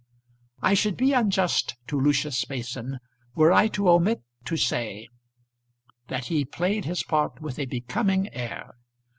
I should be unjust to Lucius Mason were I to omit to say that he played his part with a becoming air.